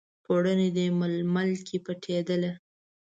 پوړني، د ململ کې پټیدله